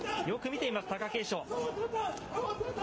よく見ています、貴景勝。